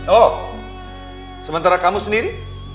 oh sementara kamu sendiri